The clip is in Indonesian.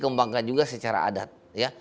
kepala kepala kepala kepala